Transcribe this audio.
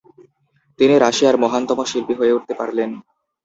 তিনি রাশিয়ার মহানতম শিল্পী হয়ে উঠতে পারলেন।